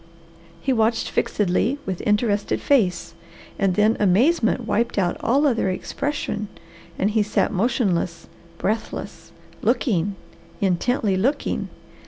He watched fixedly with interested face, and then amazement wiped out all other expression and he sat motionless, breathless, looking, intently looking.